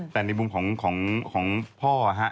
แต่ในมุมของพ่อฮะ